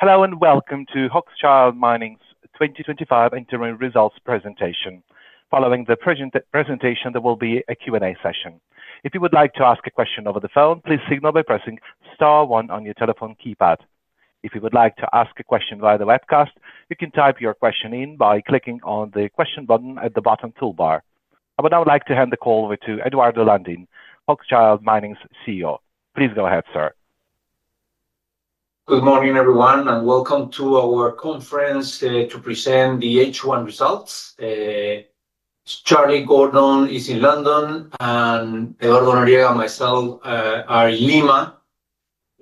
Hello and welcome to Hochschild Mining's 2025 Interim Results Presentation. Following the presentation, there will be a Q and A session. If you would like to ask a question over the phone, please signal by pressing star one on your telephone keypad. If you would like to ask a question via the webcast, you can type your question in by clicking on the question button at the bottom toolbar. I would now like to hand the call over to Eduardo Landin, Hochschild Mining's CEO. Please go ahead, sir. Good morning everyone and welcome to our conference to present the H1 results. Charlie Gordon is in London and myself are in Lima.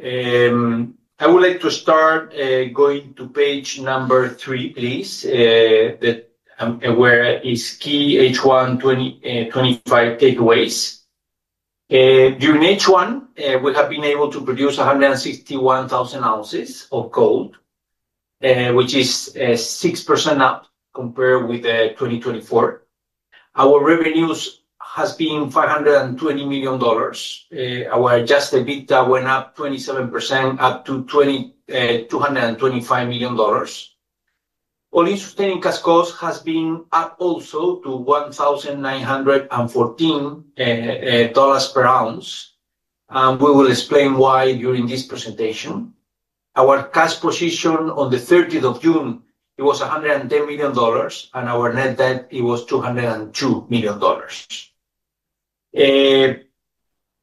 I would like to start going to page number three please. Where is key H1? 25 takeaways during H1 we have been able to produce 161,000 ounces of gold which is 6% up compared with 2024. Our revenues have been $520 million. Our adjusted EBITDA went up 27% up to $225 million. Our sustained cash cost has been up also to $1,914 per ounce and we will explain why during this presentation. Our cash position on the 30th of June was $110 million and our net debt was $202 million.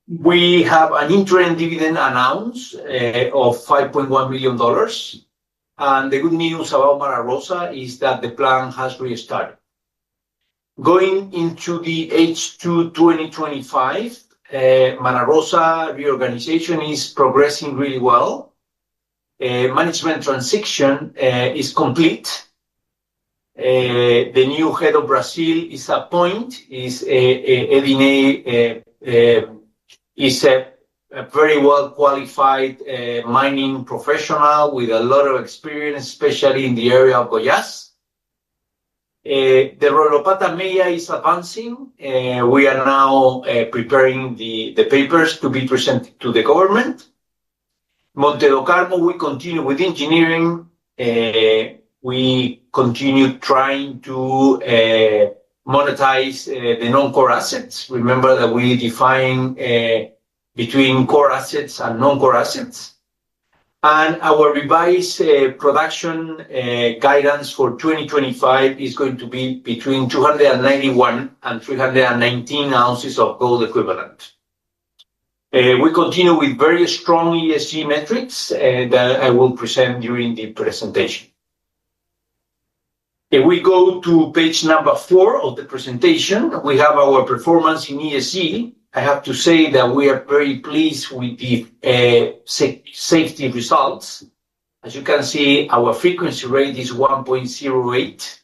We have an interim dividend announced of $5.1 million. The good news about Mara Rosa is that the plan has restarted going into the H2 2025. Mara Rosa reorganization is progressing really well. Management transition is complete. The new Head of Brazil is appointed. Is a very well qualified mining professional with a lot of experience especially in the area of Goiás. The role of ATAME is advancing. We are now preparing the papers to be presented to the government. Monte do Carmo we continue with engineering. We continue trying to monetize the non-core assets. Remember that we define between core assets and non-core assets. Our revised production guidance for 2025 is going to be between 291,000 and 319,000 ounces of gold equivalent. We continue with very strong ESG metrics that I will present during the presentation. If we go to page number four of the presentation we have our performance in ESG. I have to say that we are very pleased with the success safety results. As you can see, our frequency rate is 1.08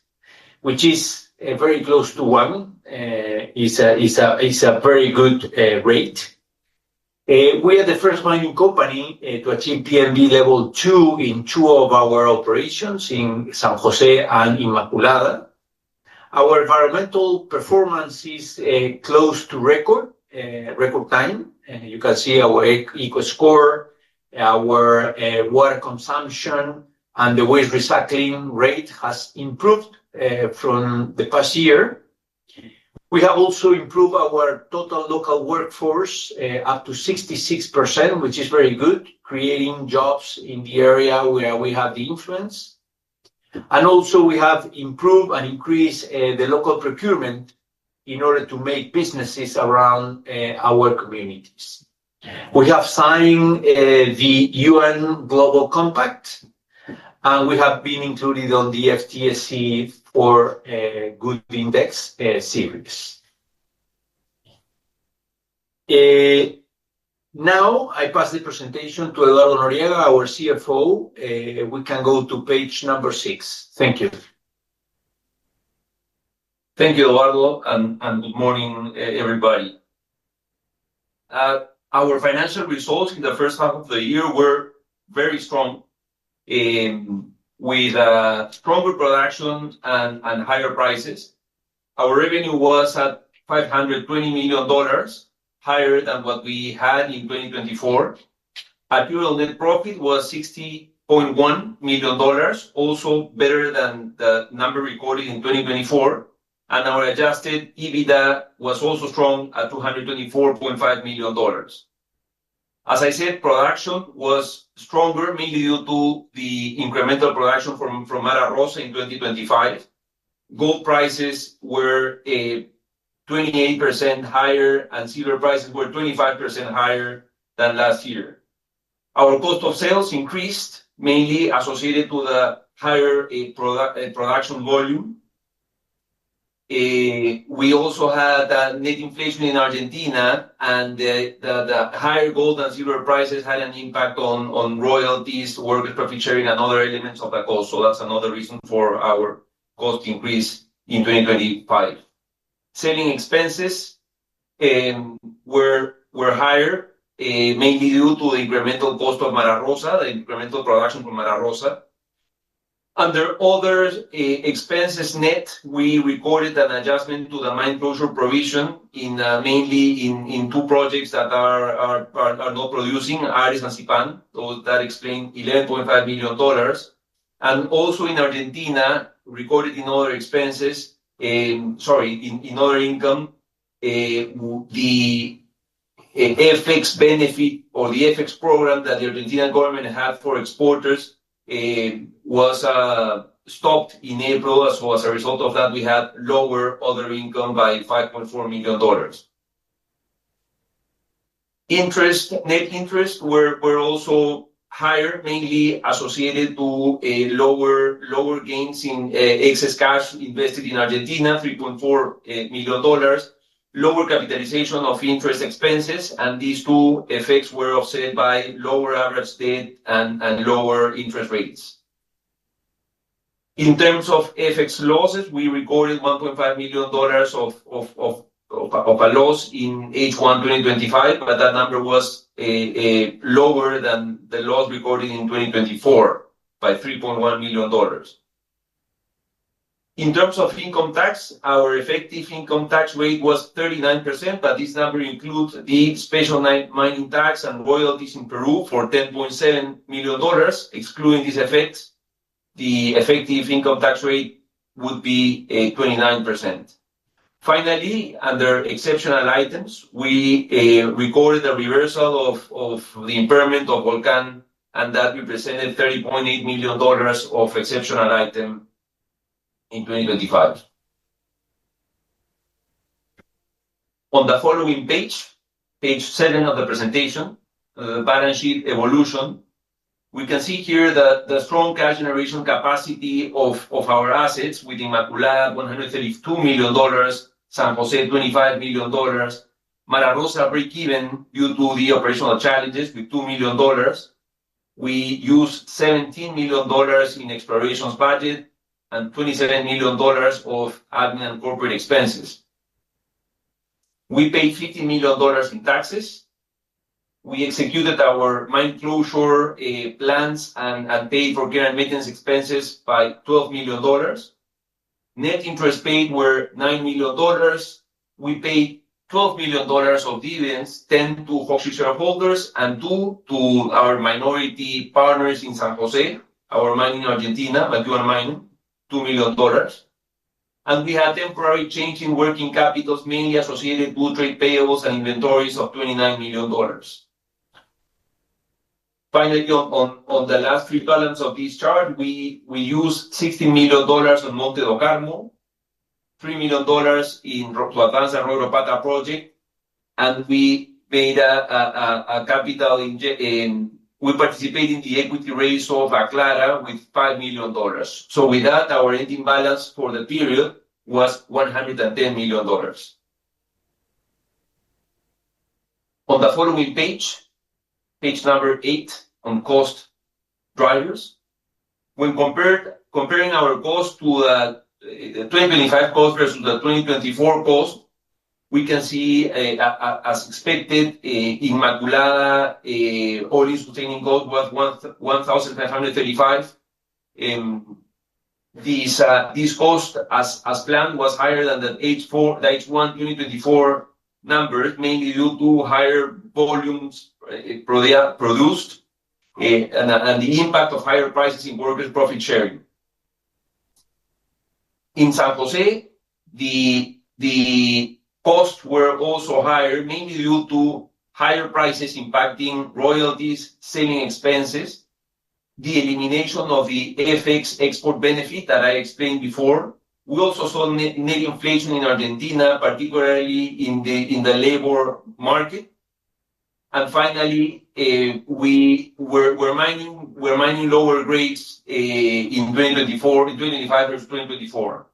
which is very close to 1. It's a very good rate. We are the first mining company to achieve PMD level 2 in two of our operations in San Jose and Immaculada. Our environmental performance is close to record and you can see our Eco score. Our water consumption and the waste recycling rate has improved from the past year. We have also improved our total local workforce up to 66%, which is very good, creating jobs in the area where we have the influence. We have improved and increased the local procurement in order to make businesses around our communities. We have signed the UN Global Compact and we have been included on the FTSE4Good Index series. Now I pass the presentation to Eduardo Noriega, our CFO. We can go to page number six. Thank you. Thank you, Eduardo. Good morning everybody. Our financial results in the first half of the year were very strong. With Stronger production and higher prices. Our revenue was at $520 million, higher than what we had in 2024. Actual net profit was $60 million, also better than the number recorded in 2024. Our adjusted EBITDA was also strong at $224.5 million. As I said, production was stronger mainly due to the incremental production from Mara Rosa. In 2025, gold prices were 28% higher and silver prices were 25% higher than last year. Our cost of sales increased mainly associated to the higher production volume. We also had net inflation in Argentina, and the higher gold and silver prices had an impact on royalties, workers' profit sharing, and other elements of the cost. That is another reason for our cost increase in 2025. Sending expenses. Were higher, mainly due to the incremental cost of Mara Rosa. The incremental production from Mara Rosa under other expenses net, we recorded an adjustment to the mine closure provision mainly in two projects that are not producing, Ares and Sipan. That explained $11.5 million. Also, in Argentina, recorded in other expenses—sorry, in other income—the FX export benefit or the FX program that the Argentina government had for exporters was stopped in April as well. As a result of that, we had lower other income by $5.4 million. Net interest were also higher, mainly associated to lower gains in excess cash invested in Argentina, $3.4 million, lower capitalization of interest expenses, and these two effects were offset by lower average debt and lower interest rates. In terms of FX losses, we recorded $1.5 million of a loss in H1 2025, but that number was lower than the loss recorded in 2024 by $3.1 million. In terms of income tax, our effective income tax rate was 39%. This number includes the special mining tax and royalties in Peru for $10.7 million. Excluding this effect, the effective income tax rate would be 29%. Finally, under exceptional items, we recorded a reversal of the impairment of Volcan and that represented $30.8 million of exceptional item in 2025. On the following page, page seven of the presentation balance sheet evolution, we can see here that the strong cash generation capacity of our assets within Immaculada $132 million, San Jose $25 million, Mara Rosa breakeven due to the operational challenges with $2 million. We used $17 million in exploration budget and $27 million of admin and corporate expenses. We paid $50 million in taxes. We executed our mine closure plans and paid for grant maintenance expenses by $12 million. Net interest paid were $9 million. We paid $12 million of dividends, $10 million to Hochschild holders and $2 million to our minority partners. In San Jose, our mining in Argentina, Matanza mining $2 million, and we had temporary change in working capitals mainly associated with trade payables and inventories of $29 million. Finally, on the last three pallets of this chart, we used $16 million on Monte do Carmo, $3 million in the Royropata project, and we made a capital—we participated in the equity raise of Aclara with $5 million. With that, our ending balance for the period was $110 million. On the following page, page number eight on cost drivers, when comparing our cost to the 2025 cost versus the 2024 cost, we can see as expected in Immaculada our institution cost was $1,935. This cost as planned was higher than the H1 2024 number, mainly due to higher volumes produced and the impact of higher prices in workers profit sharing. In San Jose, the costs were also higher, mainly due to higher prices impacting royalties, selling expenses, the elimination of the FX export benefit that I explained before. We also saw net inflation in Argentina, particularly in the labor market. Finally, we're mining lower grades in 2024. In 2024,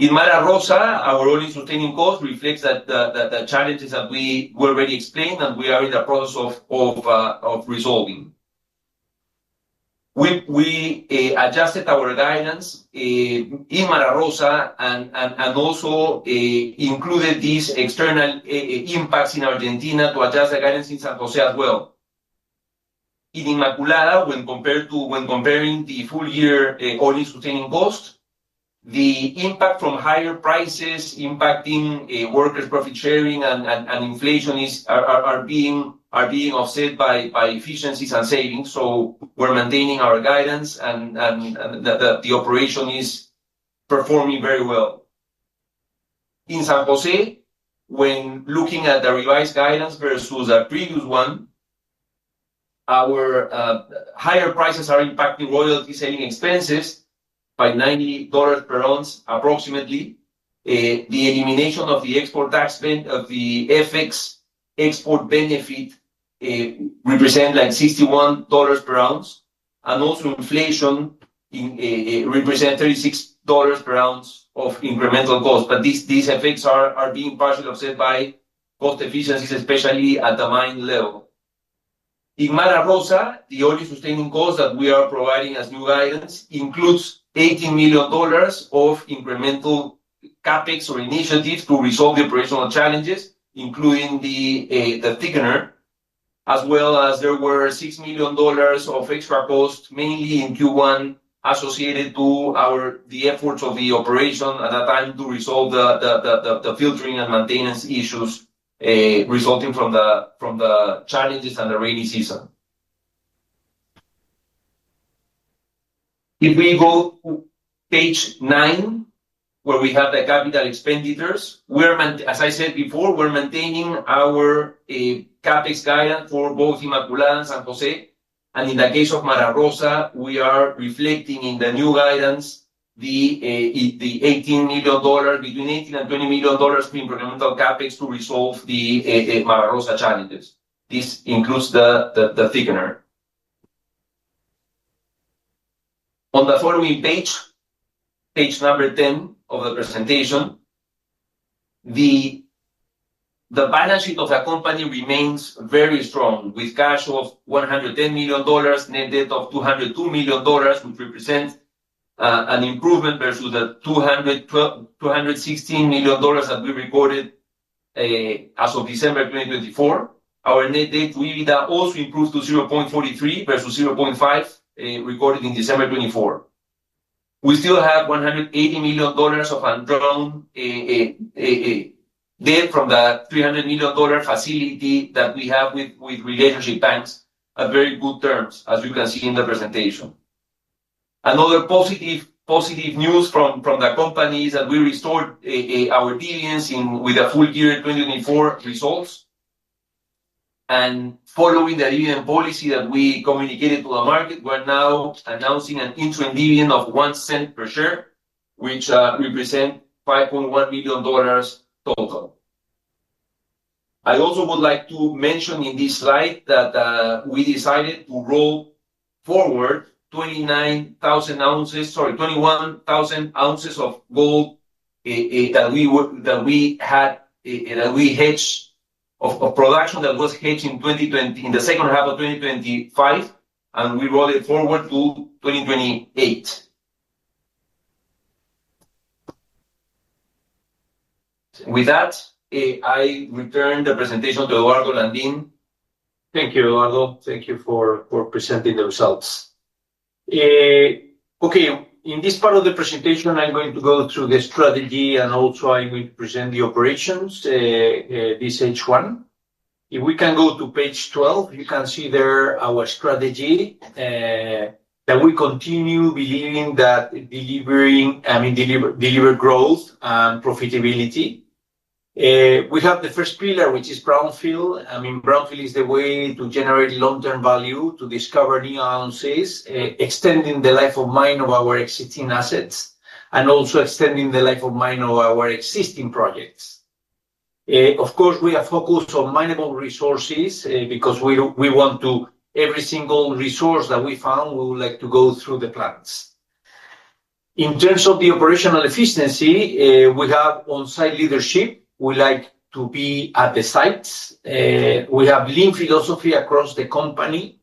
in Mara Rosa, our only sustaining cost reflects the challenges that we already explained and we are in the process of resolving. We adjusted our guidance in Mara Rosa and also included these external impacts in Argentina to adjust the guarantees of San Jose as well. In Immaculada, when comparing the full year earnings pertaining cost, the impact from higher prices impacting workers profit sharing and inflation are being offset by efficiencies and savings. We're maintaining our guidance and the operation is performing very well. In San Jose, when looking at the revised guidance versus a previous one, our higher prices are impacting royalty selling expenses by $90 per ounce approximately. The elimination of the export tax of the FX export benefit represents $61 per ounce and also inflation represents $36 per ounce of incremental cost. These effects are being partially offset by cost efficiencies, especially at the mine level in Mara Rosa. The all-in sustaining cost that we are providing as new guidance includes $18 million of incremental CapEx or initiatives to resolve the operational challenges, including the thickener, as well as there were $6 million of extra costs mainly in Q1 associated to the efforts of the operation at a time to resolve the filtering and maintennce issues resulting from the rainy season. Challenges and the rainy season. If we go page nine where we have the capital expenditures, as I said before, we're maintaining our CapEx guidance for both Immaculada and San Jose. In the case of Mara Rosa, we are reflecting in the new guidance the $18 million, between $18 million and $20 million per CapEx to resolve the ETF Mara Rosa challenges. This includes the figure on the following page, page number 10 of the presentation. The balance sheet of the company remains very strong with cash of $110 million, net debt of $202 million, 3% an improvement versus the $216 million that we reported as of December 2024. Our net debt to EBITDA also improved to 0.43 versus 0.5 recorded in December 2024. We still have $180 million of undrawn debt from the $300 million facility that we have with very good terms as you can see in the presentation. Another positive news from the company is that we restored our dividends with a full year 2024 results. Following the dividend policy that we communicated to the market, we're now announcing an interim dividend of $0.01 per share which represents $5.1 million total. I also would like to mention in this slide that we decided to roll forward 21,000 ounces of gold that we had, that we hedge, of production that was hedged in 2020, in the second half of 2025 and we roll it forward to 2028. With that I return the presentation to Eduardo Landin. Thank you, Eduardo. Thank you for presenting themselves. Okay, in this part of the presentation I'm going to go through the strategy and also I'm going to present the operations this H1. If we can go to page 12, you can see there our strategy that we continue believing that delivering, I mean deliver, deliver growth and profitability. We have the first pillar which is brownfield. I mean brownfield is the way to generate long term value to discover new extending the life of mine of our existing assets and also extending the life of mine of our existing projects. Of course we are focused on mineable resources because we want to every single resource that we found. We would like to go through the. Plants in terms of the operational efficiency. We have on-site leadership, we like to be at the sites. We have lean philosophy across the company.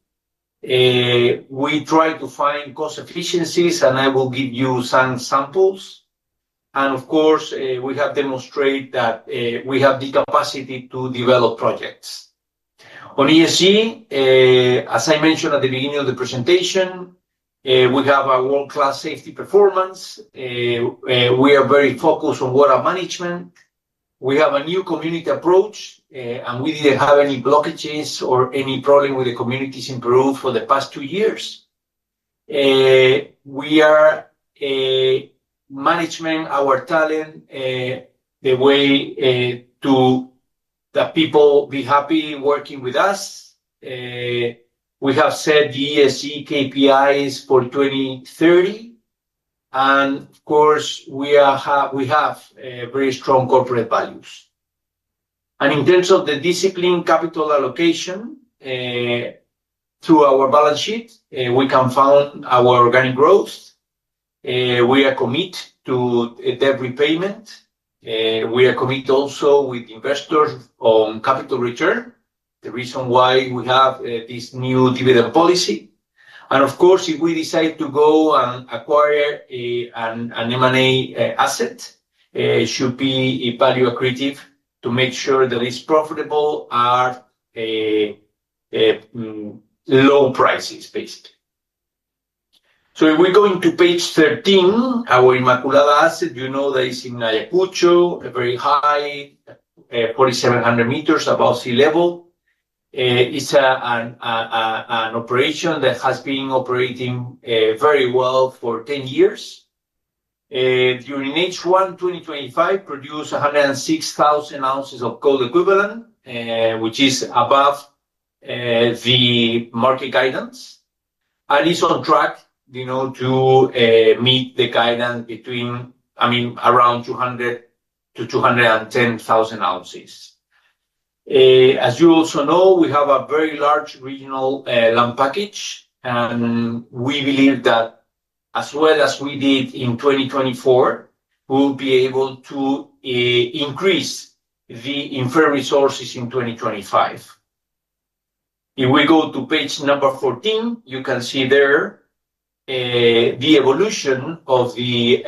We try to find cost efficiencies and I will give you some samples. Of course, we have demonstrated that we have the capacity to develop projects on ESG. As I mentioned at the beginning of the presentation, we have a world-class safety performance. We are very focused on water management. We have a new community approach and we didn't have any blockages or any problem with the communities in Peru for the past two years. We are managing our talent the way that people be happy working with us. We have set the ESG KPIs for 2030 and of course we have very strong corporate values. In terms of the disciplined capital allocation to our balance sheet, we can follow our organic growth. We are committed to debt repayment. We are committed also with investors on capital return, the reason why we have this new dividend policy. Of course, if we decide to go and acquire an M&A asset, it should be value accretive to make sure that it's profitable at low prices, basically. If we're going to page 13, our Immaculada, you know that it's in Ayacucho, a very high 4,700 m above sea level. It's an operation that has been operating very well for 10 years. During H1 2025, produced 106,000 ounces of gold equivalent, which is above the market guidance and is on track to meet the guidance between, I mean around 200,000 to 210,000 ounces. As you also know, we have a very large regional land package. We believe that as well as we did in 2024, we'll be able to increase the inferred resources in 2025. If we go to page number 14, you can see there the evolution of the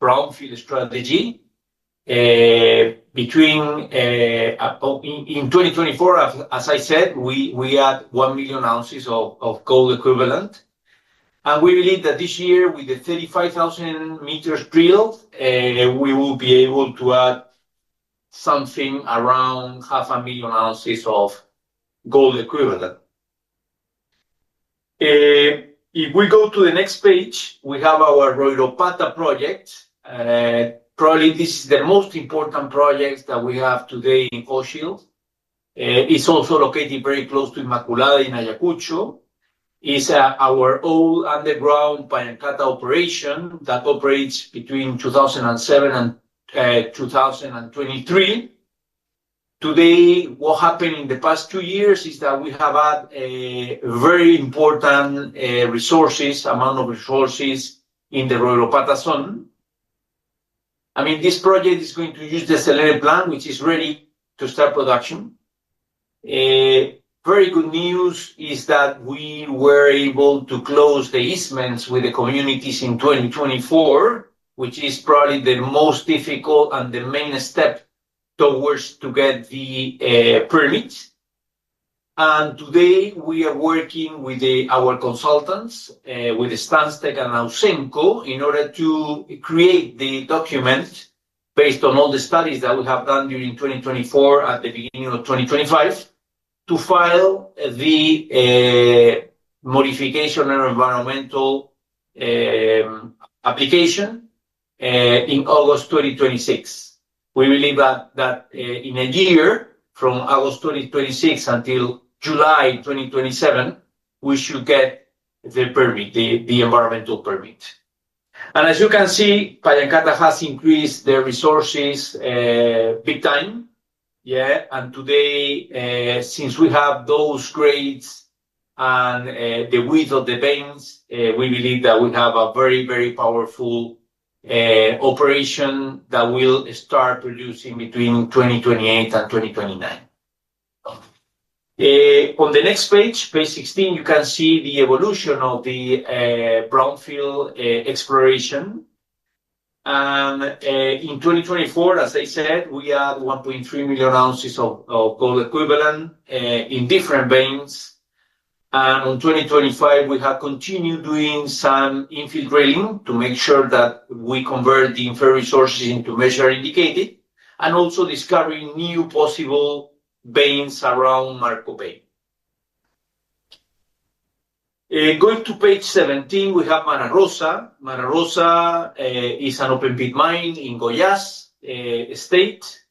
brownfield strategy in 2024. As I said, we add 1 million ounces of gold equivalent. We believe that this year with the 35,000 m drill, we will be able to add something around half a million ounces of gold equivalent. If we go to the next page, we have our Royropata project. Probably this is the most important project that we have today in Hochschild. It's also located very close to Immaculada in Ayacucho. It's our old underground operation that operates between 2007 and 2023 today. What happened in the past two years is that we have had a very important amount of resources in the Royropata zone. I mean, this project is going to use the CIL plant which is ready to start production. Very good news is that we were able to close the easements with the communities in 2024, which is probably the most difficult and the main step towards getting the permits. Today we are working with our consultants, with Stanstede and Alsenco, in order to create the documents based on all the studies that we have done during 2024. At the beginning of 2025, we will file the modification of environmental application in August 2026. We believe that in a year from August 2026 until July 2027, we should get the permit, the environmental permit. As you can see, Kayankata has increased their resources big time. Yeah. Today, since we have those grades and the width of the veins, we believe that we have a very, very powerful operation that will start producing between 2028 and 2029. On the next page, page 16, you can see the evolution of the brownfield exploration. In 2024, as I said, we add 1.3 million ounces of equivalent in different veins. In 2025, we have continued doing some infill drilling to make sure that we convert the inferred resources into measured and indicated. Also, we are discovering new possible veins around Marco Bay. Going to page 17, we have Mara Rosa. Mara Rosa is an open pit mine in Goiás state.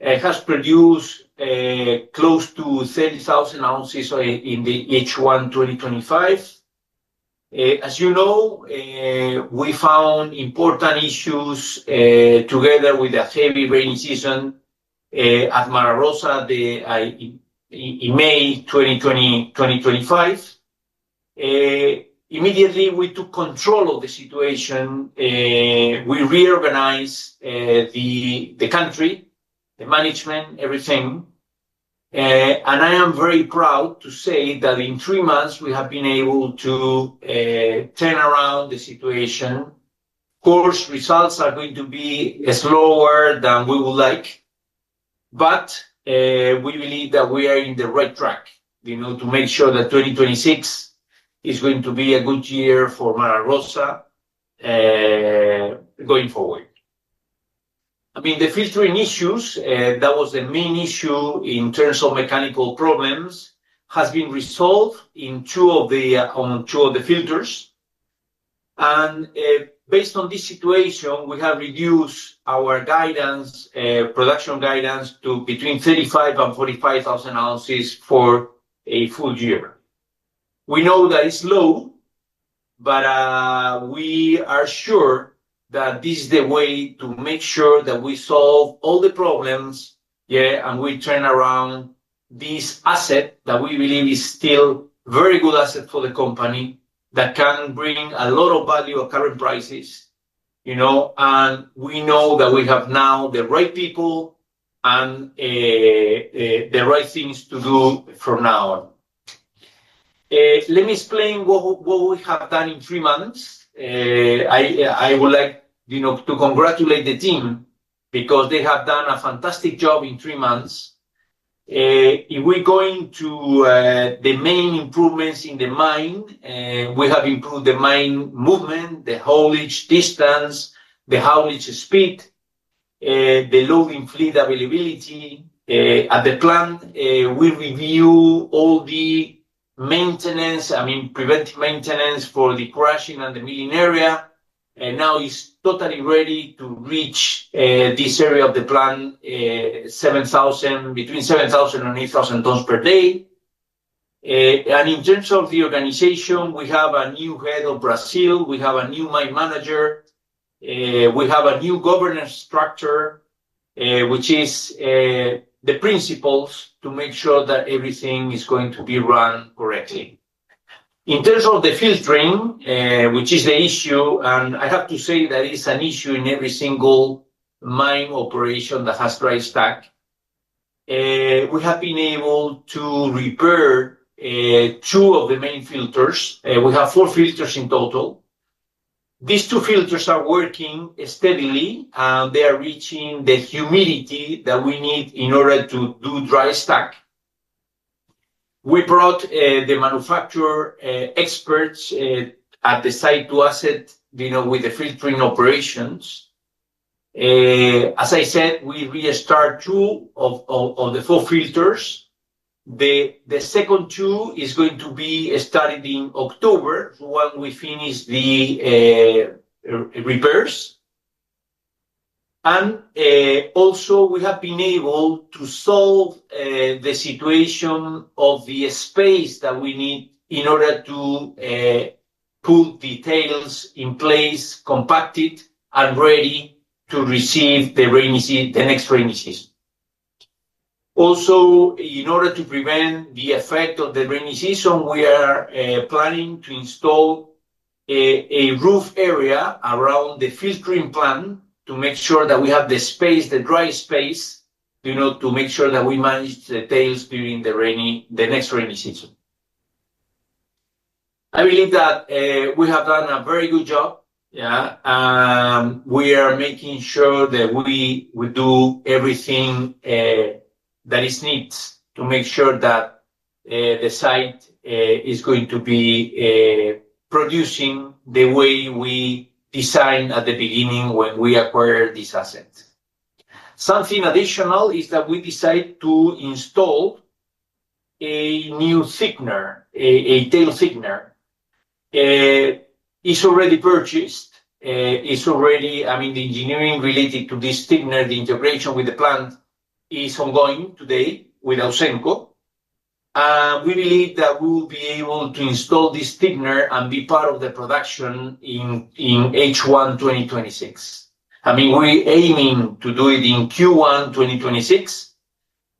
It has produced close to 10,000 ounces in H1 2025. As you know, we found important issues together with the heavy rainy season at Mara Rosa in May 2025. Immediately, we took control of the situation. We reorganized the country, the management, everything. I am very proud to say that in three months we have been able to turn around the situation. Of course, results are going to be slower than we would like, but we believe that we are on the right track to make sure that 2026 is going to be a good year for Mara Rosa going forward. The filtration issues that were the main issue in terms of mechanical problems have been resolved in two of the filters. Based on this situation, we have reduced our production guidance to between 35,000 and 45,000 ounces for a full year. We know that it's low, but we are sure that this is the way to make sure that we solve all the problems and we turn around this asset that we believe is still a very good asset for the company that can bring a lot of value at current prices. We know that we have now the right people and the right things to do from now on. Let me explain what we have done in three months. I would like to congratulate the team because they have done a fantastic job in three months. If we go into the main improvements in the mine, we have improved the mine movement, the haulage distance, the haulage speed, the loading fluid availability at the plant. We review all the maintenance, I mean preventive maintenance for the crushing and the green area. Now it's totally ready to reach this area of the plan: 7,000, between 7,000 and 8,000 tons per day. In terms of the organization, we have a new Head of Brazil, we have a new Line Manager, we have a new governance structure which is the principles to make sure that everything is going to be run correctly. In terms of the filtering, which is the issue, I have to say that it's an issue in every single mine operation that has dry stack. We have been able to repair two of the main filters. We have four filters in total. These two filters are working steadily. They are reaching the humidity that we need in order to do dry stack. We brought the manufacturer experts at the site to assist with the filtering operations. As I said, we restart two of the four filters. The second two are going to be started in October while we finish the repairs. Also, we have been able to solve the situation of the space that we need in order to put details in place, compacted and ready to receive the next rainy season. Also, in order to prevent the effect of the rainy season, we are planning to install a roof area around the filtering plant to make sure that we have the space, the dry space, to make sure that we manage the tails during the next rainy season. I believe that we have done a very good job. We are making sure that we do everything that is needed to make sure that the site is going to be producing the way we designed at the beginning when we acquired this asset. Something additional is that we decided to install a new thickener, a tail thickener. It's already purchased. The engineering related to this thickener, the integration with the plant is ongoing today with HausenCo. We believe that we will be able to install this thickener and be part of the production in H1 2026. We're aiming to do it in Q1 2026,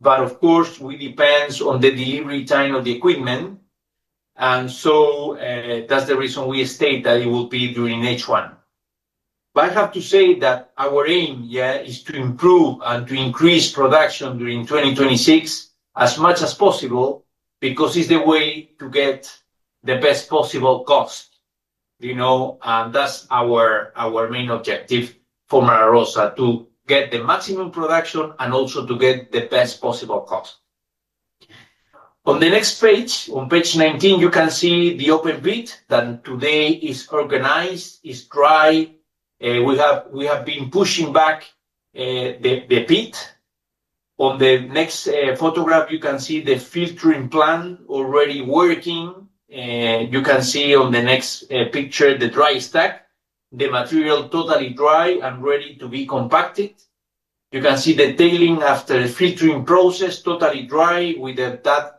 but of course we depend on the return of the equipment. That's the reason we state that it will be during H1. I have to say that our aim is to improve and to increase production during 2026 as much as possible. Because it's the way to get the best possible cost. That's our main objective for Mara Rosa: to get the maximum production and also to get the best possible cost. On the next page, on page 19, you can see the open pit that today is organized as dry. We have been pushing back the pit. On the next photograph, you can see the filtering plant already working. You can see on the next picture the dry stack, the material totally dry and ready to be compacted. You can see the tailing after filtering process, totally dry with that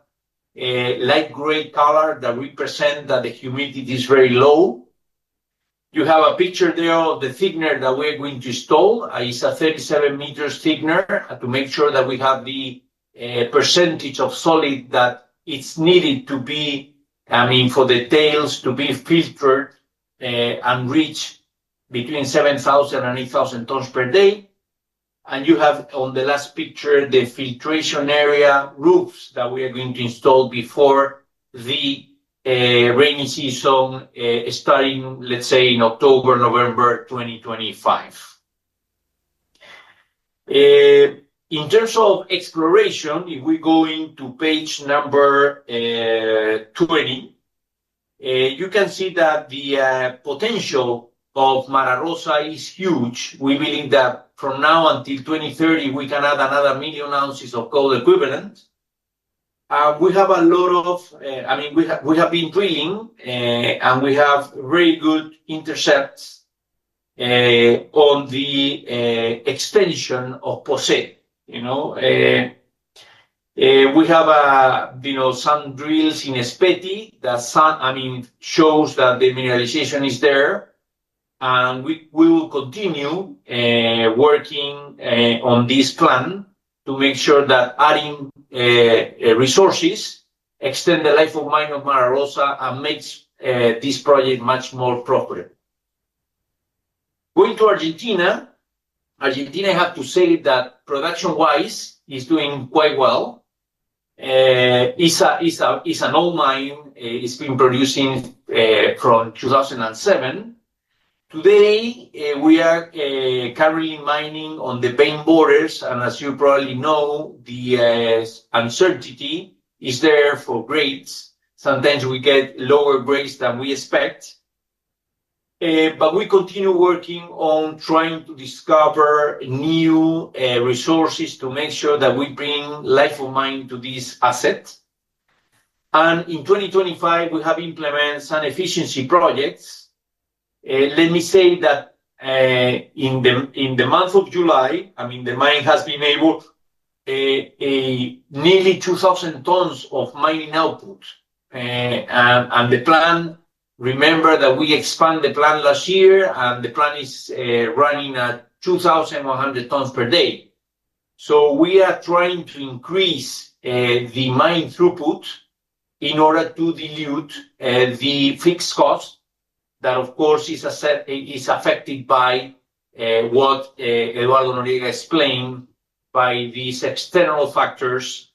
light gray color that represents that the humidity is very low. You have a picture there of the thickener that we're going to install; it's a 37 m thickener to make sure that we have the percentage of solid that it's needed to be, I mean for the tails to be filtered and reach between 7,000 and 8,000 tons per day. You have on the last picture the filtration area roofs that we are going to install before the rainy season starting, let's say in October, November 2025. In terms of exploration, if we go into page number 28, you can see that the potential of Mara Rosa is huge. We believe that from now until 2030 we can add another million ounces of gold equivalent. We have a lot of, I mean, we have been doing and we have very good intercepts on the extension of the deposit. You know, we have some drills in Speti that show that the mineralization is there. We will continue working on this plan to make sure that adding resources extends the life of mine of Mara Rosa and makes this project much more appropriate. Going to Argentina, I have to say that production-wise is doing quite well. It's an old mine, it's been producing from 2007. Today we are carrying mining on the bank borders, and as you probably know, the uncertainty is there for grades. Sometimes we get lower grades than we expect, but we continue working on trying to discover new resources to make sure that we bring life of mine to these assets. In 2025 we have implemented some efficiency projects. Let me say that in the month of July, the mine has been able to reach nearly 2,000 tons of mining output. Remember that we expanded the plant last year and the plant is running at 2,100 tons per day. We are trying to increase the mine throughput in order to dilute the fixed cost. That of course is affected by what Eduardo Noriega explained by these external factors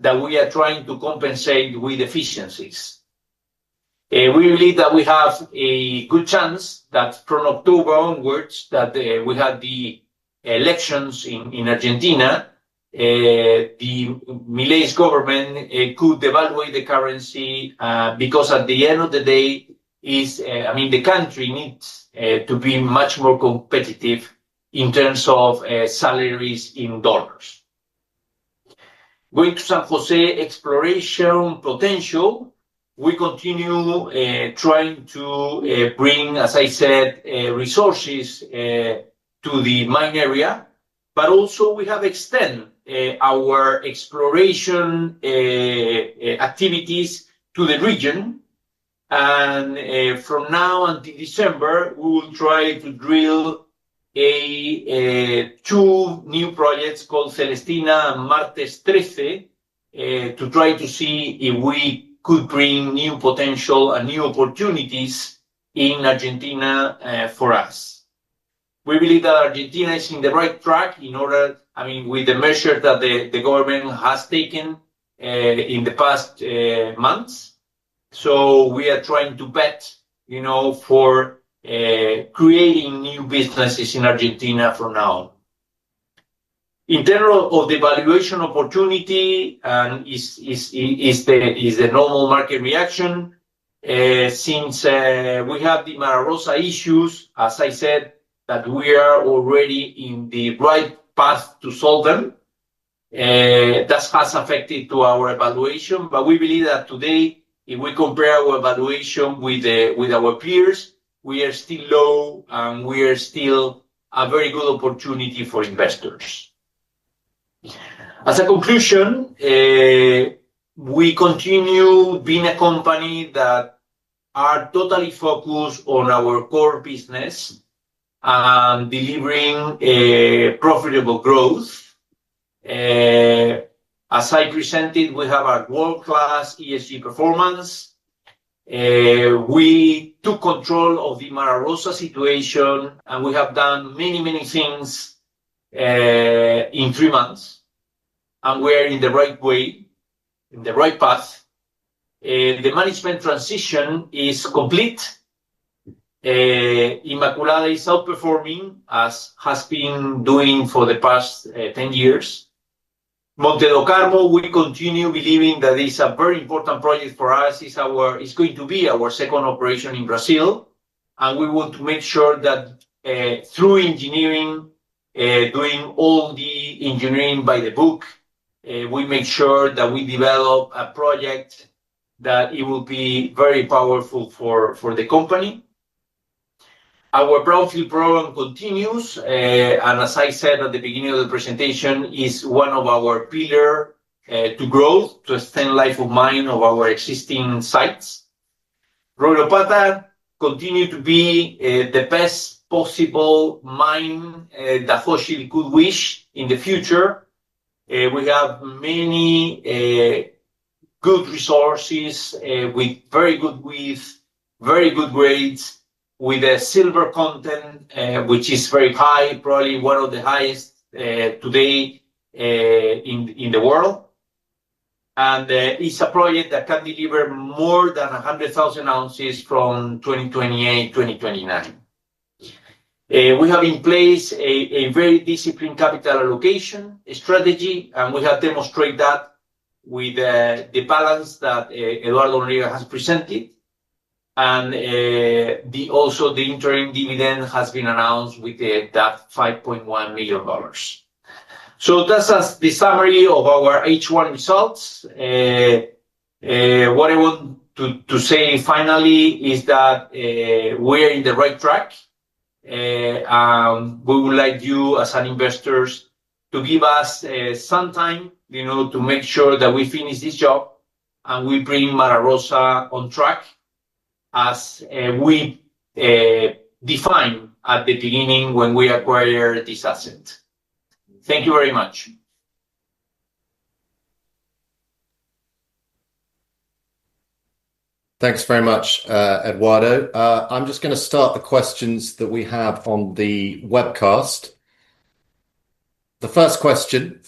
that we are trying to compensate with efficiencies. We believe that we have a good chance that from October onwards, since we had the elections in Argentina, the Milei government could evaluate the currency because at the end of the day, the country needs to be much more competitive in terms of salaries in dollars going to San Jose. Exploration potential, we continue trying to bring, as I said, resources to the mine area. We have extended our exploration activities to the region. From now until December, we will try to drill two new projects called Celestina and Martes Tresse to try to see if we could bring new potential and new opportunities in Argentina for us. We believe that Argentina is on the right track. I mean, with the measures that the government has taken in the past months, we are trying to bet for creating new businesses in Argentina. For now, in terms of the valuation opportunity, it is the normal market reaction. Since we have the Mara Rosa issues, as I said, we are already on the right path to solve them. That has affected our valuation. We believe that today, if we compare our valuation with our peers, we are still low and we are still a very good opportunity for investors. As a conclusion, we continue being a company that is totally focused on our core business and delivering profitable growth. As I presented, we have a world-class ESG performance. We took control of the Mara Rosa situation and we have done many, many. Things. In three months. We're in the right way, in the right path. The management transition is complete. Immaculada is outperforming as has been doing for the past 10 years. Monte do Carmo will continue believing that this is a very important project for us. It's going to be our second operation in Brazil and we want to make sure that through engineering, doing all the engineering by the book, we make sure that we develop a project that will be very powerful for the company. Our brownfield program continues and as I said at the beginning of the presentation, is one of our pillars to grow, to extend life of mine of our existing sites. Royropata continues to be the best possible mine that Hochschild could wish in the future. We have many good resources with very good widths, very good grades with a silver content which is very high. Probably one of the highest today in the world. It's a project that can deliver more than 100,000 ounces from 2028, 2029. We have in place a very disciplined capital allocation strategy. We have demonstrated that with the balance that Eduardo has presented. Also, the interim dividend has been announced with that $5.1 million. That's the summary of our H1 results. What I want to say finally is that we are on the right track. We would like you as an investor to give us some time, you know, to make sure that we finish this job and we bring Mara Rosa on track, as we defined at the beginning, when we acquired this asset. Thank you very much. Thanks very much, Eduardo. I'm just going to start the questions that we have on the webcast. The first question.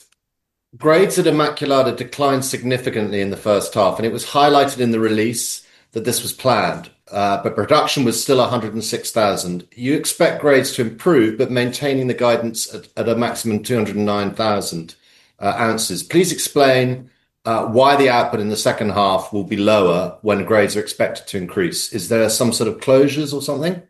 Grades at Immaculada declined significantly in the first half. It was highlighted in the release that this was planned, but production was still 106,000. You expect grades to improve, but maintaining the guidance at a maximum 209,000 ounces. Please explain why the output in the second half will be lower when grades are expected to increase. Is there some sort of closures or something?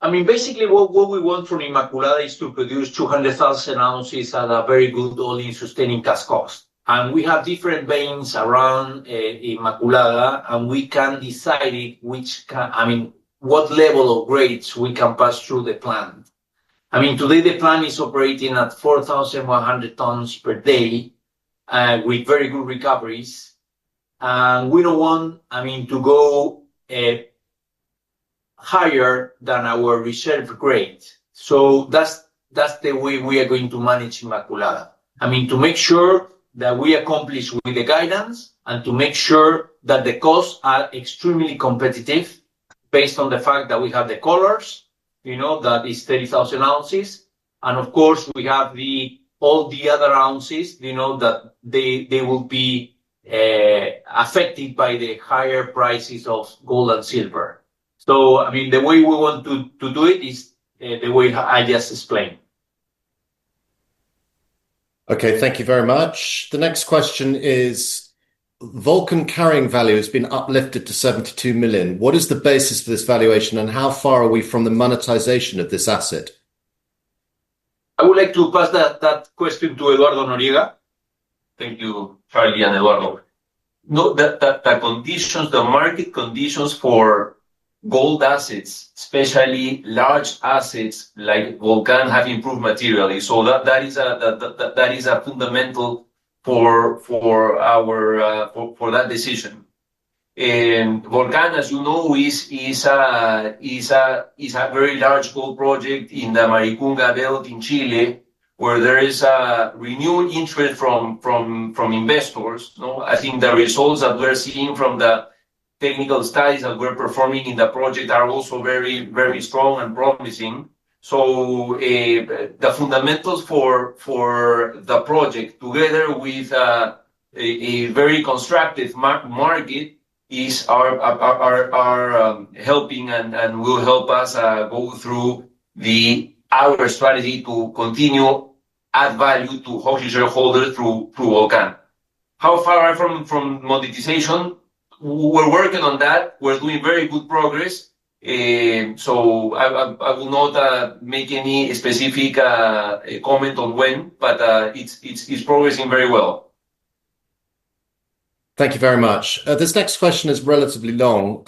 Basically, what we want from Immaculada is to produce 200,000 ounces at a very good all-in sustaining cash cost. We have different veins around Immaculada, and we can decide what level of grades we can pass through the plant. Today, the plant is operating at 4,100 tons per day with very good recoveries. We don't want to go higher than our reserve grade. That's the way we are going to manage Immaculada, to make sure that we accomplish the guidance and to make sure that the costs are extremely competitive based on the fact that we have the colors, you know, that is 30,000 ounces. We have all the other ounces, you know, that will be affected by the higher prices of gold and silver. The way we want to do it is the way I just explained. Okay, thank you very much. The next question is Volcan carrying value has been uplifted to $72 million. What is the basis for this valuation and how far are we from the monetization of this asset? I would like to pass that question to Eduardo Noriega. Thank you. Fali and Helaro. The market conditions for gold assets, especially. Large assets like Volcan have improved materially. That is a fundamental. For that decision. Volcan, as you know, is a very large gold project in the Maricunga Belt in Chile where there is a renewed interest from investors. I think the results that we're seeing from the technical studies that we're performing in the project are also very, very strong and promising. The fundamentals for the project together with a very constructive market. Are helping. This will help us go through our strategy to continue to add value to Hochschild shareholders through OCan. How far are we from monetization? We're working on that. We're making very good progress. I will not make any specific comment on when, but it's progressing very well. Thank you very much. This next question is relatively long.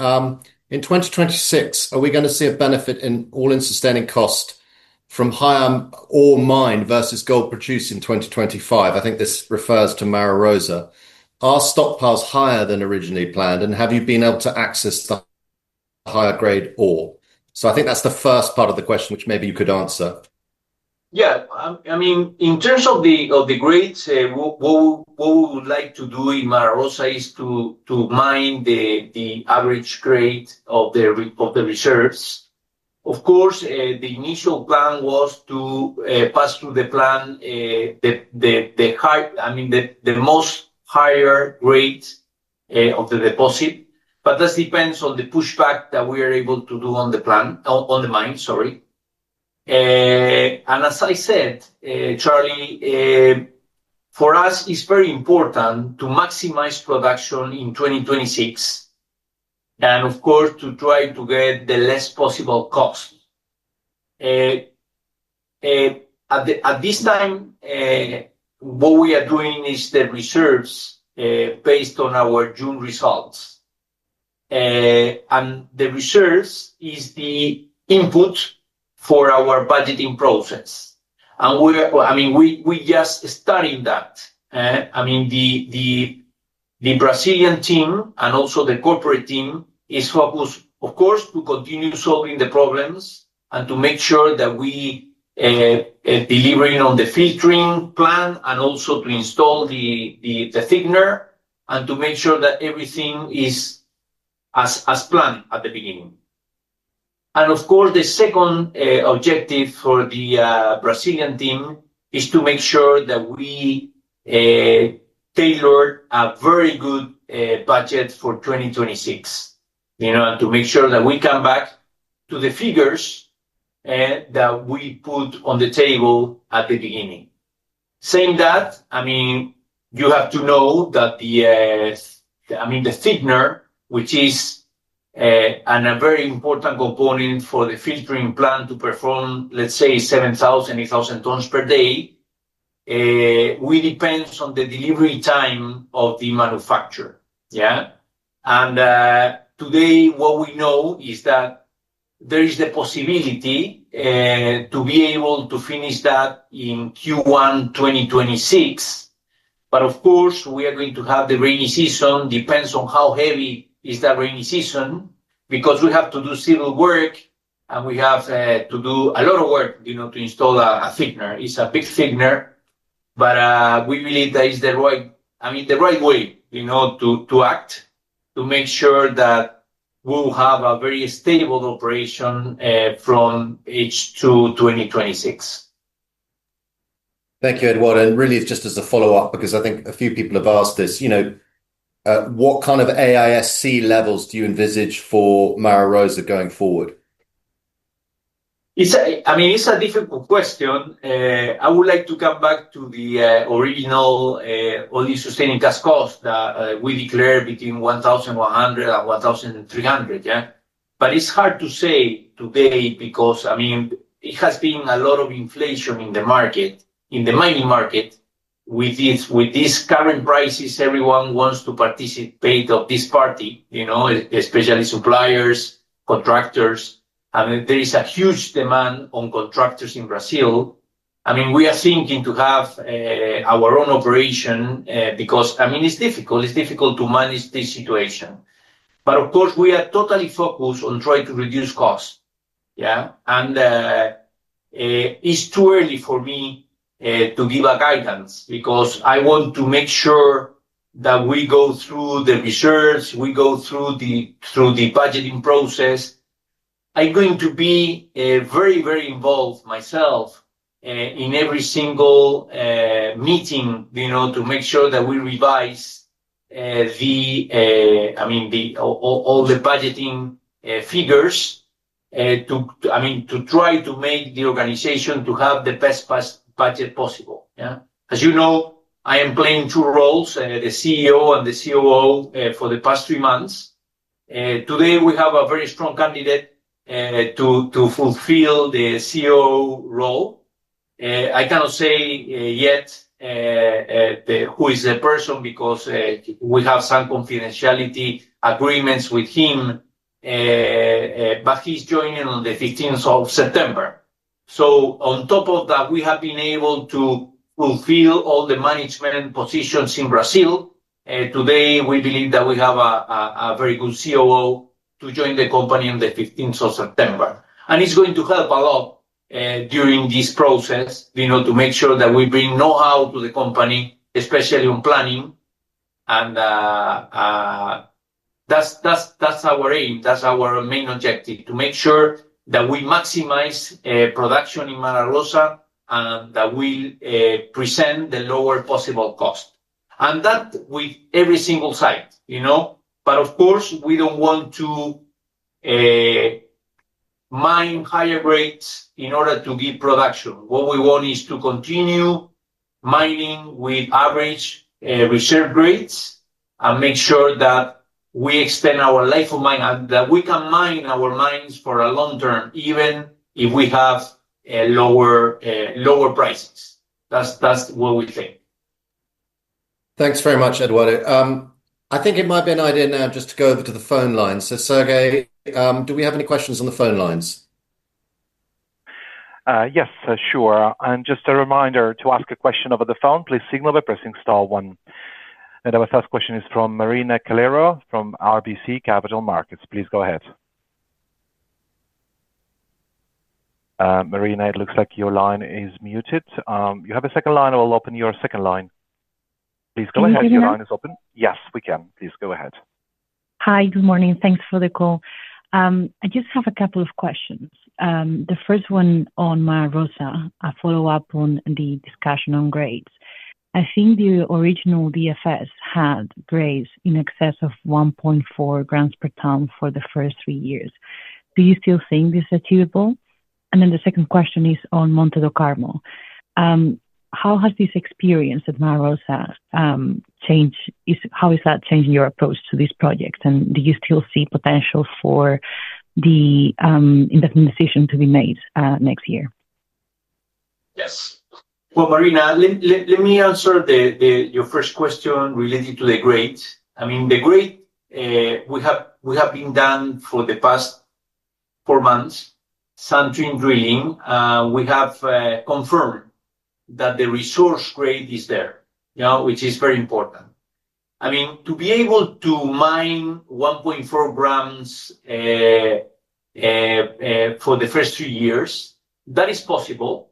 In 2026, are we going to see a benefit in all-in sustaining cost from higher ore mined versus gold produced in 2025? I think this refers to Mara Rosa. Are stockpiles higher than originally planned, and have you been able to access the higher grade ore? I think that's the first part of the question which maybe you could answer. Yeah, I mean in terms of the grades, what we would like to do in Mara Rosa is to mine the average grade of the reserves. Of course, the initial plan was to pass through the plant, I mean the most higher grade of the deposit. That depends on the pushback that we are able to do on the plan, on the mine. Sorry. As I said, Charlie, for us it's very important to maximize production in 2026 and of course to try to get the least possible cost at this time. What we are doing is the reserves based on our June results, and the reserves are the input for our budgeting process. We are just studying that. The Brazilian team and also the corporate team is focused, of course, to continue solving the problems and to make sure that we are delivering on the filtering plan and also to install the thickener and to make sure that everything is as planned at the beginning. The second objective for the Brazilian team is to make sure that we tailored a very good budget for 2026, to make sure that we come back to the figures that we put on the table at the beginning. You have to know that the thickener, which is a very important component for the filtering plant to perform, let's say, 7,000, 8,000 tons per day, we depend on the delivery time of the manufacturer. Today what we know is that there is the possibility to be able to finish that in Q1 2026. We are going to have the rainy season, depends on how heavy is the rainy season because we have to do civil work and we have to do a lot of work to install a thickener. It's a big thickener. We believe that is the right way to act to make sure that we will have a very stable operation from H2 2026. Thank you, Eduardo. Just as a follow up, because I think a few people have asked this, what kind of AISC levels do you envisage for Mara Rosa going forward? I mean, it's a difficult question. I would like to come back to the original. All these sustaining cash cost that we declared between $1,100 and $1,300. Yeah, but it's hard to say today because, I mean, there has been a lot of inflation in the market, in the mining market with these current prices. Everyone wants to participate in this party, you know, especially suppliers, contractors. There is a huge demand on contractors in Brazil. We are thinking to have our own operation because, I mean, it's difficult, it's difficult to manage this situation. Of course, we are totally focused on trying to reduce costs. Yeah. It's too early for me to give a guidance because I want to make sure that we go through the reserves, we go through the budgeting process. I'm going to be very, very involved myself in every single meeting to make sure that we revise all the budgeting figures to try to make the organization have the best possible budget. As you know, I am playing two roles, the CEO and the COO for the past three months. Today we have a very strong candidate to fulfill the COO role. I cannot say yet who is the person because we have some confidentiality agreements with him, but he's joining on the 15th of September. On top of that, we have been able to fulfill all the management positions in Brazil today. We believe that we have a very good COO to join the company on the 15th of September. It's going to help a lot during this process to make sure that we bring know-how to the company, especially on planning. That's our aim, that's our main objective, to make sure that we maximize production in Mara Rosa that will present the lowest possible cost and that with every single site, you know. Of course, we don't want to mine higher grades in order to give production. What we want is to continue mining with average reserve grades and make sure that we extend our life of mine and that we can mine our mines for a long term even if we have a lower price. That's what we think. Thanks very much, Eduardo. I think it might be an idea now just to go over to the phone lines. Sergey, do we have any questions on the phone lines? Yes, sure. Just a reminder to ask a question over the phone, please signal by pressing star one. Our first question is from Marina Calero from RBC Capital Markets. Please go ahead. Marina, it looks like your line is muted. You have a second line. I will open your second line. Please go ahead. Your line is open. Yes, we can. Please go ahead. Hi, good morning. Thanks for the call. I just have a couple of questions. The first one on Mara Rosa, a follow up on the discussion on grades. I think the original DFS had grades in excess of 1.4 grams per ton for the first three years. Do you still think this is achievable? The second question is on Monte do Carmo, how has this experience at Mara Rosa changed? How is that changing your approach to this project? Do you still see potential for the investment decision to be made next year? Yes. Marina, let me answer your first question related to the grid. I mean the grid, we have been doing for the past four months, Suntrine drilling. We have confirmed that the resource grade is there, which is very important. I mean, to be able to mine 1.4 grams for the first few years, that is possible,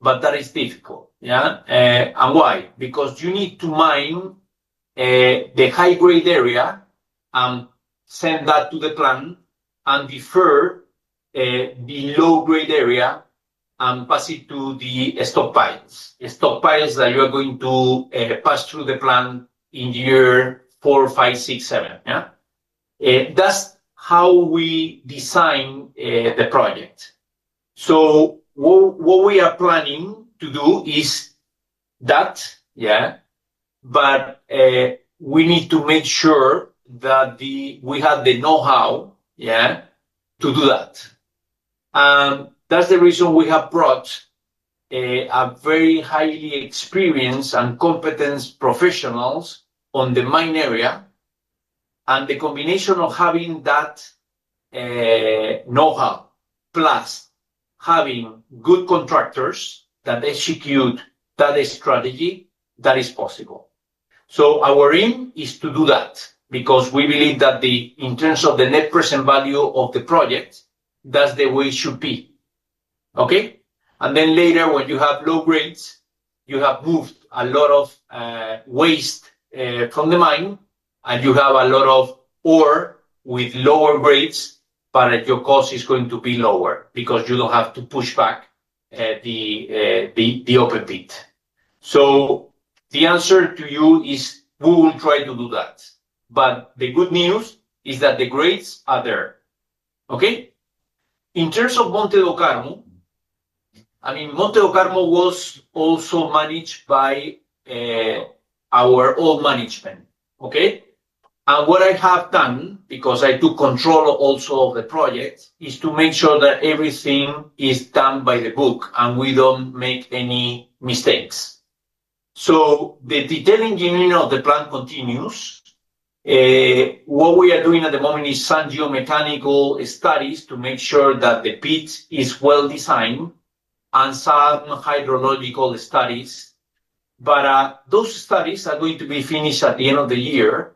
but that is difficult. You need to mine the high grade area and send that to the plant and defer the low grade area and pass it to the stockpiles. Stockpiles that you are going to pass through the plant in year four, five, six, seven. That's how we design the project. What we are planning to do is that, but we need to make sure that we have the know-how to do that. That's the reason we have brought very highly experienced and competent professionals on the mine area. The combination of having that know-how plus having good contractors that execute that strategy, that is possible. Our aim is to do that because we believe that in terms of the net present value of the project, that's the way it should be. Later, when you have low grades, you have moved a lot of waste from the mine and you have a lot of ore with lower grades, but your cost is going to be lower because you don't have to push back the open pit. The answer to you is we will try to do that. The good news is that the grades are there. In terms of Monte do Carmo, Monte do Carmo was also managed by our own management. What I have done, because I took control also of the project, is to make sure that everything is done by the book and we don't make any mistakes. The detailed engineering of the plant continues. What we are doing at the moment is some geomechanical studies to make sure that the pit is well designed and some hydrological studies. Those studies are going to be finished at the end of the year.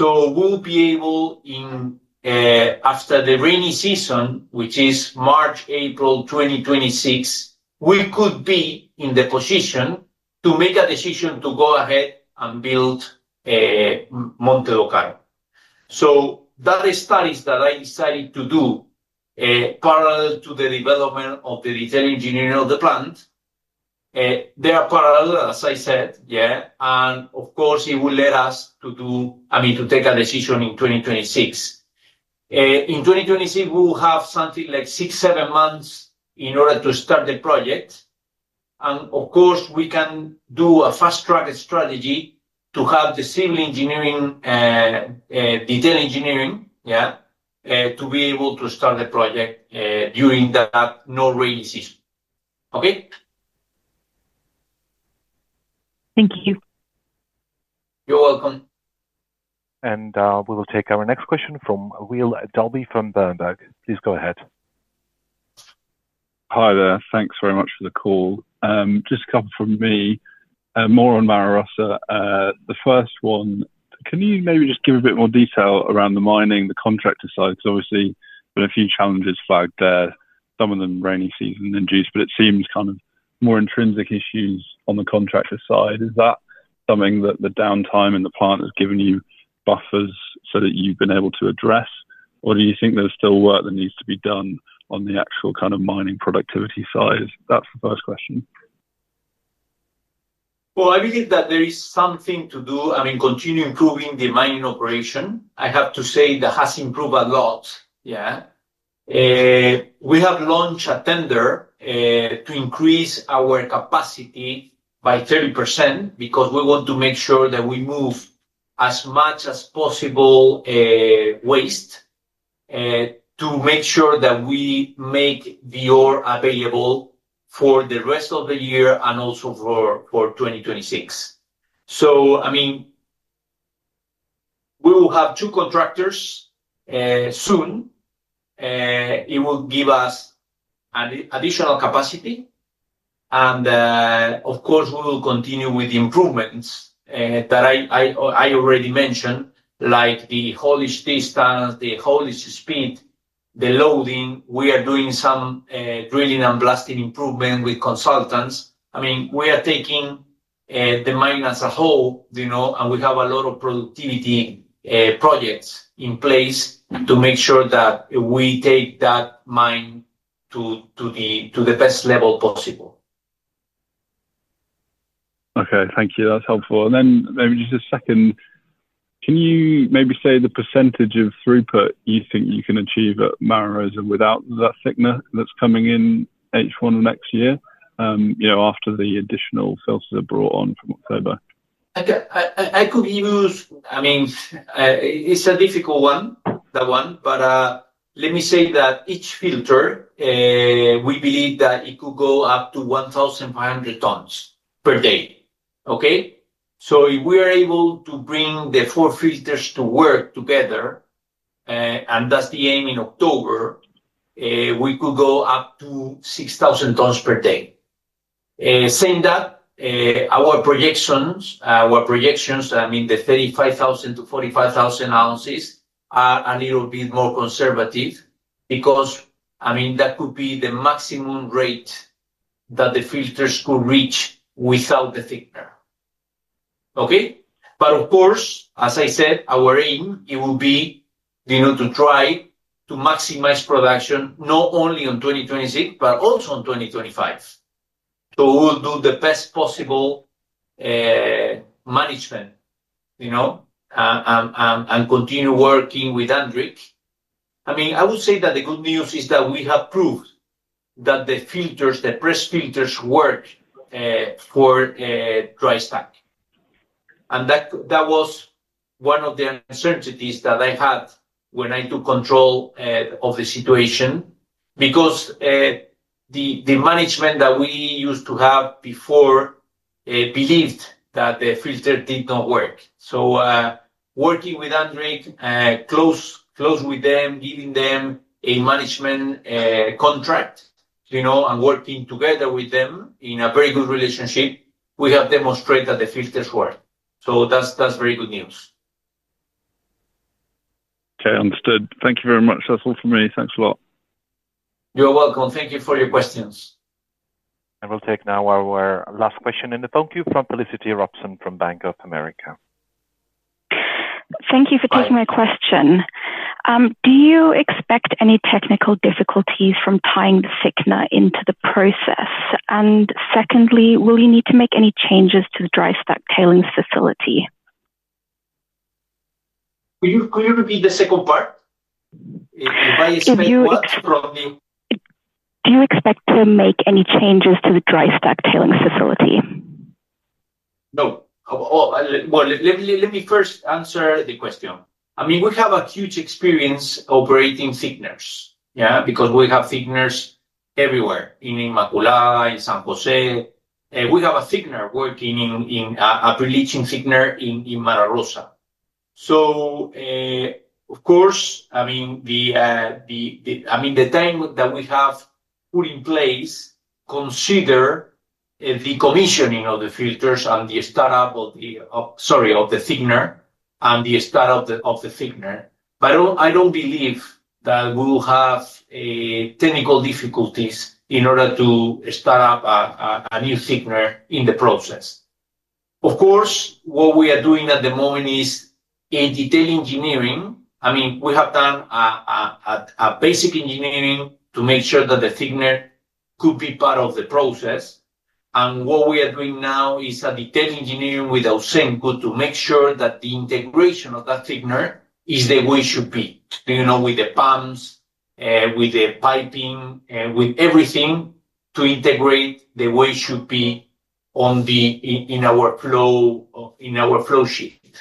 We will be able, after the rainy season, which is March, April 2026, to be in the position to make a decision to go ahead and build Monte. Those studies I decided to do parallel to the development of the detailed engineering of the plant. They are parallel, as I said. Of course, it will lead us to take a decision in 2026. In 2023, we will have something like six, seven months in order to start the project. We can do a fast track strategy to have the civil engineering, detailed engineering to be able to start the project during that no rain season. Thank you. You're welcome. We will take our next question from Will Dalby from Berenberg. Please go ahead. Hi there. Thanks very much for the call. Just a couple from me more on Mara Rosa. The first one, can you maybe just give a bit more detail around the mining, the contractor side? Obviously, there were a few challenges flagged there, some of them rainy season induced. It seems kind of more intrinsic issues on the contractor side. Is that something that the downtime in the plant has given you buffers so that you've been able to address, or do you think there's still work that needs to be done on the actual kind of mining productivity side? That's the first question. I believe that there is something to do. I mean continue improving the mining operation. I have to say that has improved a lot. We have launched a tender to increase our capacity by 30% because we want to make sure that we move as much as possible waste to make sure that we make Dior available for the rest of the year and also for 2026. We will have two contractors soon. It will give us additional capacity. Of course, we will continue with the improvements that I already mentioned, like the haulage distance, the haulage speed, the loading. We are doing some drilling and blasting improvement with consultants. We are taking the mine as a whole, you know, and we have a lot of productivity projects in place to make sure that we take that mine to the best level possible. Okay, thank you, that's helpful. Maybe just a second. Can you maybe say the percentage of throughput you think you can achieve at Mara Rosa without that thickener that's coming in H1 next year? You know, after the additional filters are brought on from October. I mean, it's a difficult one, that one. Let me say that each filter, we believe that it could go up to 1,500 tons per day. If we are able to bring the four filters to work together and that's the end, in October, we could go up to 6,000 tons per day. Saying that, our projections, the 35,000 to 45,000 ounces, are a little bit more conservative because that could be the maximum rate that the filters could reach without the thickener. Of course, as I said, our aim will be to try to maximize production not only in 2026, but also in 2025 to do the best possible management and continue working with Andritz. I would say that the good news is that we have proved that the filters, the press filters, work for dry stack. That was one of the uncertainties that I had when I took control of the situation because the management that we used to have before believed that the filter did not work. Working with Andritz, close with them, giving them a management contract, working together with them in a very good relationship, we have demonstrated the filters work. That's very good news. Okay, understood. Thank you very much. That's all for me. Thanks a lot. You're welcome. Thank you for your questions. We will take now our last question in the phone queue from Felicity Robson from Bank of America. Thank you for closing my question. Do you expect any technical difficulties from tying the cyanide into the process? Secondly, will you need to make any changes to the dry stack tailings facility? Could you repeat the second part? Do you expect to make any changes to the dry stack tailing facility? Let me first answer the question. I mean, we have a huge experience operating thickeners. Yeah. Because we have thickeners everywhere. In Immaculada, in San Jose, we have a thickener working in a pre-leaching thickener in Mara Rosa. Of course, the time that we have put in place considers decommissioning of the filters and the startup of the thickener. I don't believe that we'll have technical difficulties in order to start up a new thickener in the process. What we are doing at the moment is detailed engineering. We have done a basic engineering to make sure that the thickener could be part of the process. What we are doing now is a detailed engineering with Ausenco to make sure that the integration of that thickener is the way it should be, with the pumps, with the piping, with everything to integrate the way it should be in our flow sheet.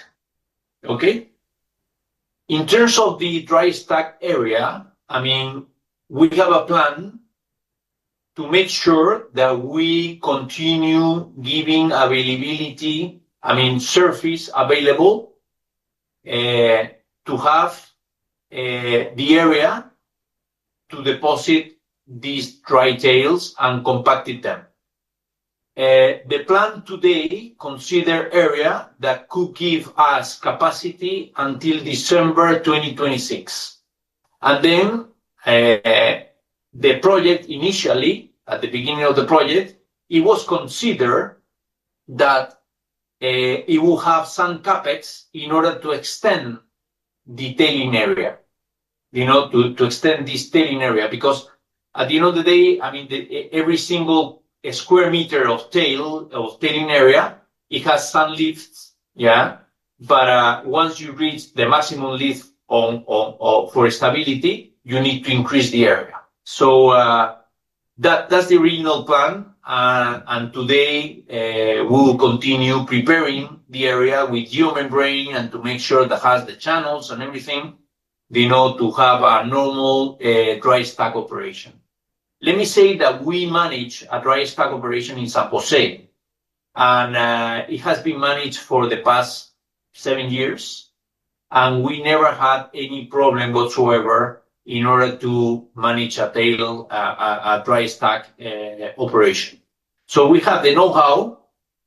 In terms of the dry stack area, we have a plan to make sure that we continue giving availability, surface available to have the area to deposit these dry tails and compact them. The plan today considers area that could give us capacity until December 2026. Initially, at the beginning of the project, it was considered that it will have some CapEx in order to extend the tailing area, to extend this tailing area. At the end of the day, every single square meter of tailing area has some lifts. Once you reach the maximum lift for stability, you need to increase the area. That's the original plan. Today, we continue preparing the area with geomembrane and to make sure that it has the channels and everything in order to have a normal dry stack operation. Let me say that we manage a dry stack operation in San Jose and it has been managed for the past seven years and we never had any problem whatsoever in order to manage a dry stack operation. We have the know-how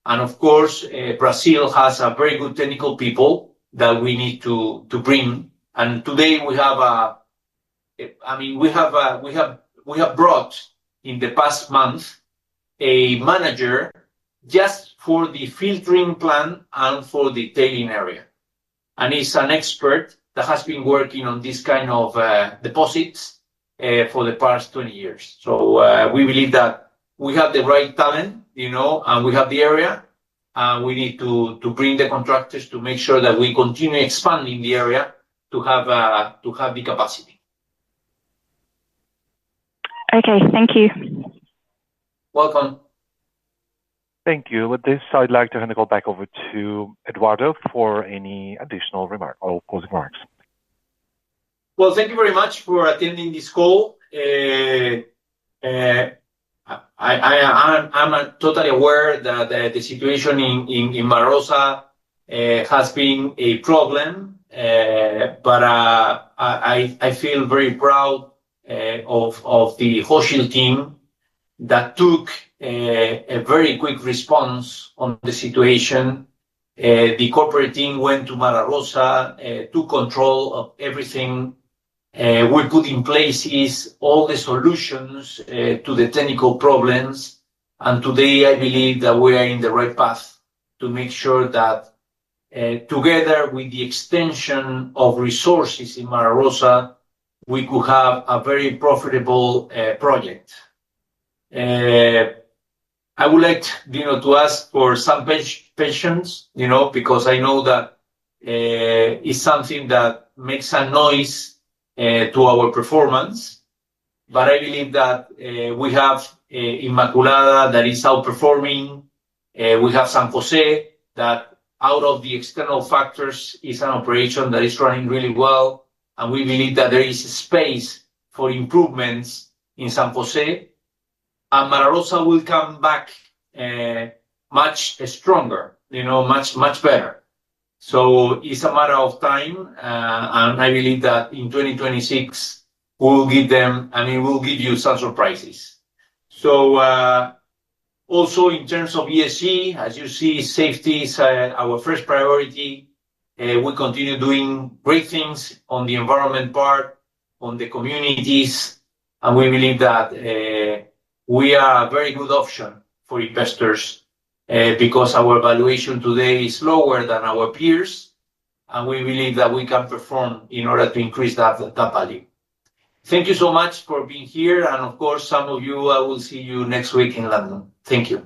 and Brazil has very good technical people that we need to bring. Today, we have brought in the past month a manager just for the filtering plant and for the tailing area. He's an expert that has been working on this kind of deposits for the past 20 years. We believe that we have the right talent. We have the area, we need to bring the contractors to make sure that we continue expanding the area to have the capacity. Okay, thank you. Welcome. Thank you. With this, I'd like to hand the call back over to Eduardo for any additional remarks or closing remarks. Thank you very much for attending this call. I'm totally aware that the situation in Mara Rosa has been a problem, but I feel very proud of the Hochschild team that took a very quick response on the situation. The corporate team went to Mara Rosa, took control of everything. We put in place all the solutions to the technical problems. Today I believe that we are on the right path to make sure that together with the extension of resources in Mara Rosa, we could have a very profitable project. I would like to ask for some patience because I know that it's something that makes a noise to our performance. I believe that we have Immaculada, that it's outperforming. We have San Jose, that out of the external factors is an operation that is running really well. We believe that there is space for improvements in San Jose. Mara Rosa will come back much stronger, you know, much, much better. It's a matter of time. I believe that in 2026, we will give them. I mean, we'll give you such surprises. Also, in terms of ESG, as you see, safety is our first priority. We continue doing great things on the environment, part on the communities, and we believe that we are a very good option for investors because our valuation today is lower than our peers. We believe that we can perform in order to increase that value. Thank you so much for being here and of course, some of you. I will see you next week in London. Thank you.